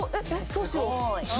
どうしよう。